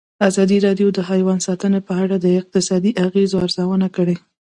ازادي راډیو د حیوان ساتنه په اړه د اقتصادي اغېزو ارزونه کړې.